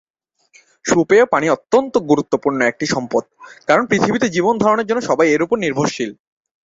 সুপেয় পানি অত্যন্ত গুরুত্বপূর্ণ একটি সম্পদ, কারণ পৃথিবীতে জীবনধারণের জন্য সবাই এর উপর নির্ভরশীল।